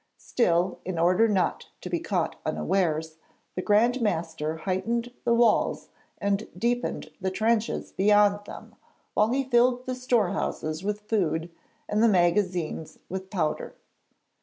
Still, in order not to be caught unawares, the Grand Master heightened the walls and deepened the trenches beyond them while he filled the storehouses with food, and the magazines with powder.